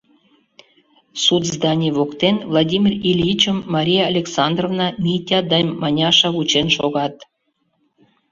Суд зданий воктен Владимир Ильичым Мария Александровна, Митя да Маняша вучен шогат.